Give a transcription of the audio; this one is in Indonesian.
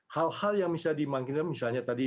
hal hal yang bisa dimanggil misalnya tadi